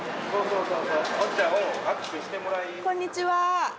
こんにちは。